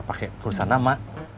nggak usah pakai tulisan nama